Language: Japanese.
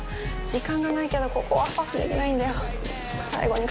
時間がないけどここはパスできないんだよ。